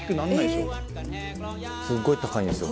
すっごい高いんですよ。